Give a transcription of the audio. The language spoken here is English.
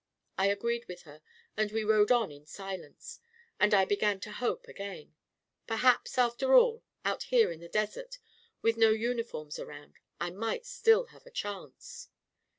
I agreed with her and we rode on in silence. And I began to hope again. Perhaps, after all, out here in the desert, with no uniforms around, I might still have a chance